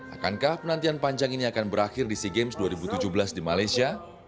akankah penantian panjang ini akan berakhir di sea games dua ribu tujuh belas di malaysia